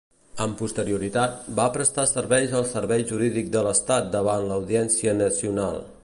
Amb posterioritat, va prestar serveis al Servei Jurídic de l'Estat davant l'Audiència Nacional.